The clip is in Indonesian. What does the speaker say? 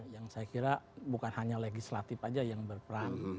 yang saya kira bukan hanya legislatif saja yang berperan